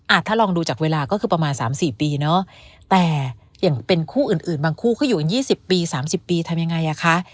อาจถ้าลองดูจากเวลาก็คือประมาณ๓๔ปีเนอะแต่อย่างเป็นคู่อื่นบางคู่ก็อยู่๒๐ปี๓๐ปีทำยังไงอ่ะคะ